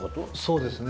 そうですね。